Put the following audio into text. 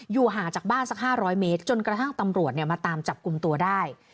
ห่างจากบ้านสัก๕๐๐เมตรจนกระทั่งตำรวจมาตามจับกลุ่มตัวได้